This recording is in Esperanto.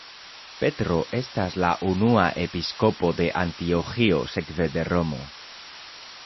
Petro estas la unua episkopo de Antioĥio sekve de Romo.